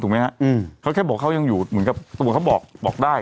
ไหมฮะอืมเขาแค่บอกเขายังอยู่เหมือนกับตำรวจเขาบอกบอกได้